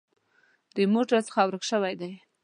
ریموټ راڅخه ورک شوی دی .